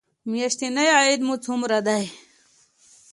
میاشتنی عاید مو څومره دی؟